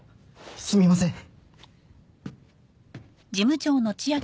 すみません。